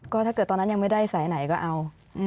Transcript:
ก็ถ้าเกิดตอนนั้นยังไม่ได้สายไหนก็เอา